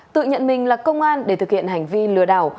tự nhận mình là công an để thực hiện hành vi lừa đảo